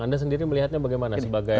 anda sendiri melihatnya bagaimana sebagai